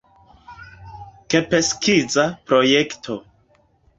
Kp skiza projekto.